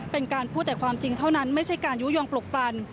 เป็นการพูดแต่ความจริงเท่านั้นไม่ใช่การยุโยงปลุกปลัน